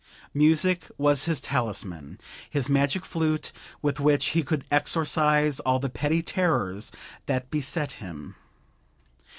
Music was his talisman, his magic flute with which he could exorcise all the petty terrors that beset him.